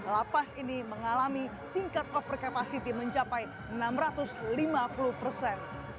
lapas ini mengalami tingkat over capacity mencapai enam ratus lima puluh persen